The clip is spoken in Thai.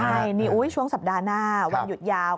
ใช่นี่ช่วงสัปดาห์หน้าวันหยุดยาว